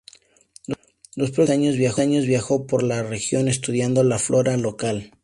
Los próximos tres años viajó por la región, estudiando la flora local.